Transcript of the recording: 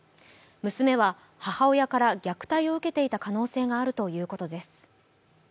娘は母親から虐待を受けていた可能性があると言うことです。